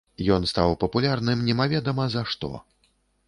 Ён стаў папулярным немаведама за што.